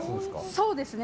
そうですね。